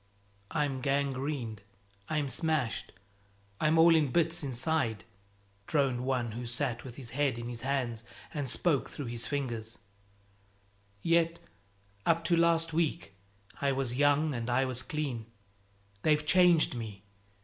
"I'm gangrened, I'm smashed, I'm all in bits inside," droned one who sat with his head in his hands and spoke through his fingers; "yet up to last week I was young and I was clean. They've changed me.